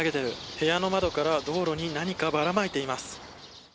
部屋の窓から道路に何かばらまいています。